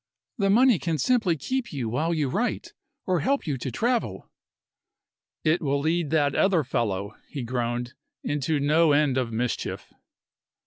The money can simply keep you while you write, or help you to travel." "It will lead that other fellow," he groaned, "into no end of mischief."